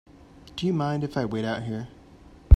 Do you mind if I wait out here?